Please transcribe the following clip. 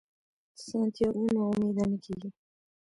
سانتیاګو نا امیده نه کیږي.